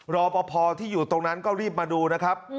รอปภที่อยู่ตรงนั้นก็รีบมาดูนะครับ